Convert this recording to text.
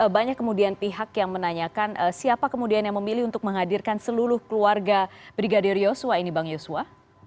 banyak kemudian pihak yang menanyakan siapa kemudian yang memilih untuk menghadirkan seluruh keluarga brigadir yosua ini bang yosua